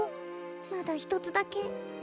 まだひとつだけ。